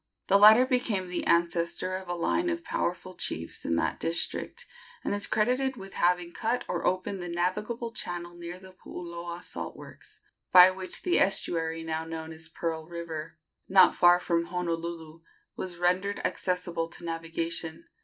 The latter became the ancestor of a line of powerful chiefs in that district, and is credited with having cut or opened the navigable channel near the Puuloa salt works, by which the estuary now known as Pearl River, not far from Honolulu, was rendered accessible to navigation.